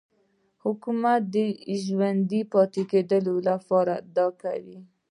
حکومت د ژوندي پاتې کېدو لپاره دا کوي.